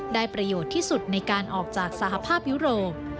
ประโยชน์ที่สุดในการออกจากสหภาพยุโรป